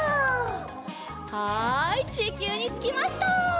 はいちきゅうにつきました！